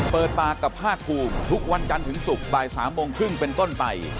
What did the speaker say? เปิดปากกับภาคภูมิทุกวันจันทร์ถึงศุกร์บ่าย๓โมงครึ่งเป็นต้นไป